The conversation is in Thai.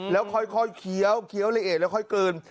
แล้วค่อยเคี้ยวละเอียดแล้วค่อยเกิน